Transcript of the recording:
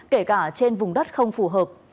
kể cả trên vùng đất không phù hợp